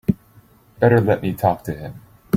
Better let me talk to him.